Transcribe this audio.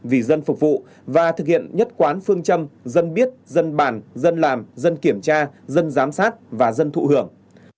vì dân phục vụ và thực hiện nhất quán phương châm dân biết dân bàn dân làm dân kiểm tra dân giám sát và dân thụ hưởng